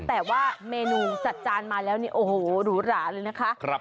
แต่ว่าเมนูจัดจานมาแล้วเนี่ยโอ้โหหรูหราเลยนะคะ